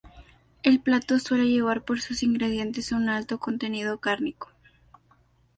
El plato suele llevar, por sus ingredientes, un alto contenido cárnico.